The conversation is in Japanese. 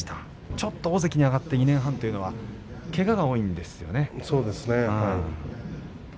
ちょっと大関に上がって２年半というのはけががそうですね。